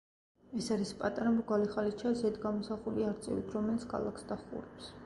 ეს არის პატარა მრგვალი ხალიჩა, ზედ გამოსახული არწივით, რომელიც ქალაქს დაჰყურებს.